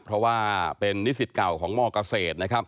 เพราะว่าเป็นนิสิตเก่าของมกเศษ